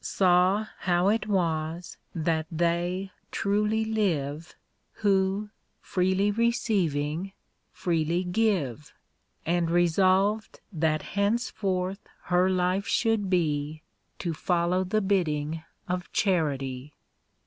Saw how it was that they truly live, Who, freely receiving, freely give ; And resolved that henceforth her life should be To follow the bidding of Charity.